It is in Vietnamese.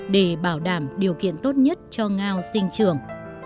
để bảo đảm điều kiện tốt nhất cho ngao dọn vệ sinh